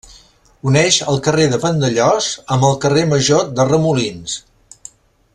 Uneix el carrer de Vandellòs amb el carrer Major de Remolins.